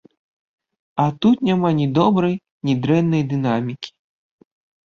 А тут няма ні добрай, ні дрэннай дынамікі.